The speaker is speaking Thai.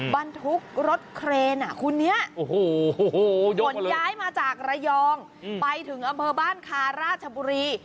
บรรทุกรถเครนคุณนี้ขนย้ายมาจากระยองไปถึงอำเภอบ้านคาราชบุรี